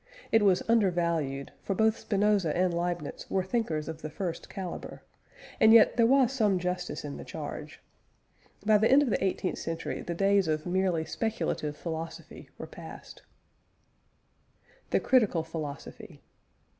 It was undervalued, for both Spinoza and Leibniz were thinkers of the first calibre; and yet there was some justice in the charge. By the end of the eighteenth century the days of merely speculative philosophy were past. THE CRITICAL PHILOSOPHY.